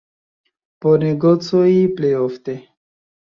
Por negocoj plej ofte.